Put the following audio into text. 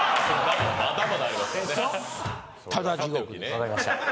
・わかりました。